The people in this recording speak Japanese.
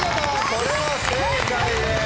これは正解です。